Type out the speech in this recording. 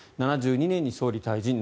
７２年に総理退陣。